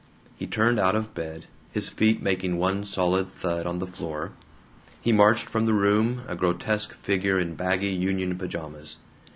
He turned out of bed, his feet making one solid thud on the floor. He marched from the room, a grotesque figure in baggy union pajamas.